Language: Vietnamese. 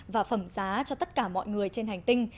và phẩm giá cho tất cả mọi người trên hành tinh